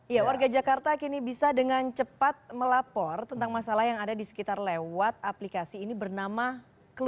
ya warga jakarta kini bisa dengan cepat melapor tentang masalah yang ada di sekitar lewat aplikasi ini bernama